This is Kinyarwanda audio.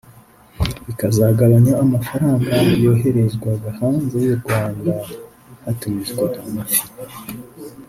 bikazagabanya amafaranga yoherezwaga hanze y’u Rwanda hatumizwa amafi